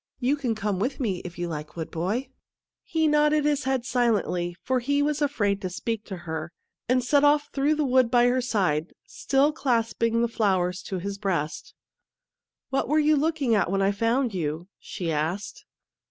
You can come with me if you like, wood boy." He nodded his head silently, for he was afraid to speak to her, and set off through the wood by her side, still clasping the flowers to his breast. " What were you looking at when I found you ?" she asked.